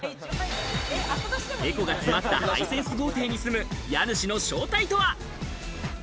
エコが詰まったハイセンス豪邸に住む家主の正体とは？